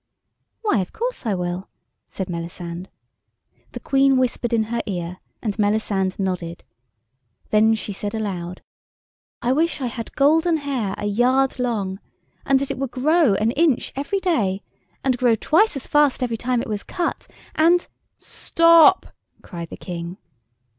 "Why, of course I will," said Melisande. The Queen whispered in her ear, and Melisande nodded. Then she said, aloud— "I wish I had golden hair a yard long, and that it would grow an inch every day, and grow twice as fast every time it was cut, and——" "Stop," cried the King.